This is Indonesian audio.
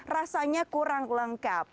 rasanya kurang lengkap